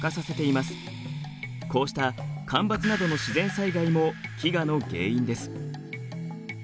こうした干ばつなどの自然災害も飢餓の原因です。